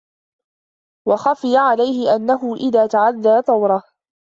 وَخَفِيَ عَلَيْهِ أَنَّهُ إذَا تَعَدَّى طَوْرَهُ